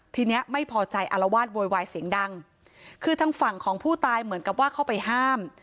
ทีนี้ไม่พอใจอารวาสโวยวายเสียงดังคือทางฝั่งของผู้ตายเหมือนกับว่าเข้าไปห้าม